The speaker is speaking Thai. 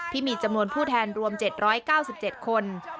ที่มีจำนวนผู้แทนรวม๗๙๗คน